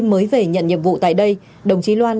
mới về nhận nhiệm vụ tại đây đồng chí loan